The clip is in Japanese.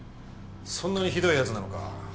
そんなにひどい奴なのか。